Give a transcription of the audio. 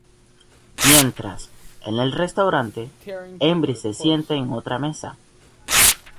Mientras, en el restaurante, Embry se sienta en otra mesa.